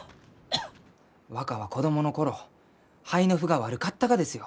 若は子どもの頃肺の腑が悪かったがですよ。